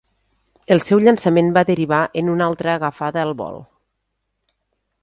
El seu llançament va derivar en una altra agafada al vol.